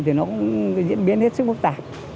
thì nó cũng diễn biến hết sức phức tạp